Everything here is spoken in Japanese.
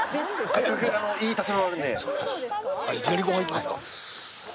せっかくいい建物あるんで。